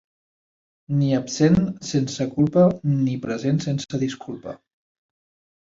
Ni absent sense culpa, ni present sense disculpa.